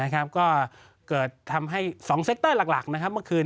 ก็เกิดทำให้๒เซคเตอร์หลักเมื่อคืน